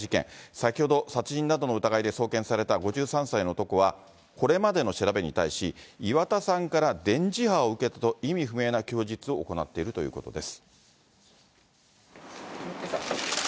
先ほど殺人などの疑いで送検された５３歳の男は、これまでの調べに対し、岩田さんから電磁波を受けたと、意味不明な供述を行っているということです。